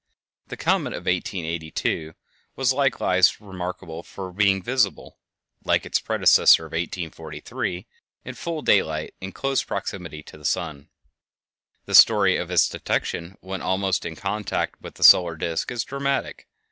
The comet of 1882 was likewise remarkable for being visible, like its predecessor of 1843, in full daylight in close proximity to the sun. The story of its detection when almost in contact with the solar disk is dramatic.